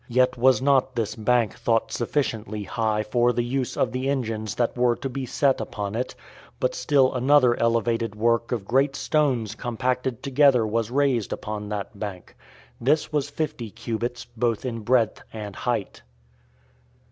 Yet was not this bank thought sufficiently high for the use of the engines that were to be set upon it; but still another elevated work of great stones compacted together was raised upon that bank; this was fifty cubits, both in breadth and height.